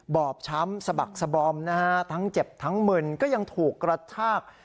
บอบช้ำสบักสบอมหน้า